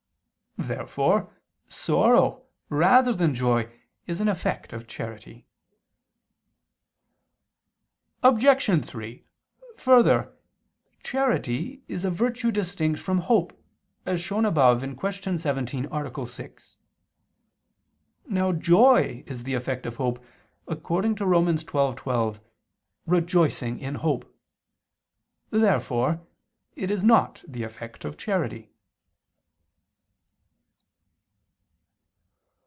Therefore sorrow, rather than joy, is an effect of charity. Obj. 3: Further, charity is a virtue distinct from hope, as shown above (Q. 17, A. 6). Now joy is the effect of hope, according to Rom. 12:12: "Rejoicing in hope." Therefore it is not the effect of charity.